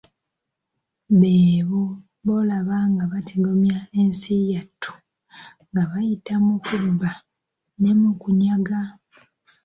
Beebo bolaba nga batigomya ensi yattu, nga bayita mu kubba ne mu kunyaga.